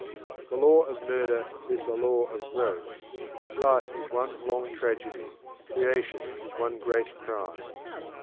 The law of Murder is the law of Growth. Life is one long tragedy; creation is one great crime.